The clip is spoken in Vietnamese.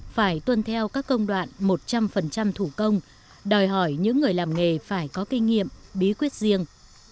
phải tuân theo các công đoạn một trăm linh thủ công đòi hỏi những người làm nghề phải có kinh nghiệm bí quyết riêng